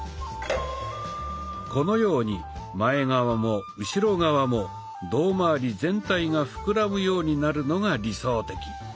このように前側も後ろ側も胴まわり全体がふくらむようになるのが理想的。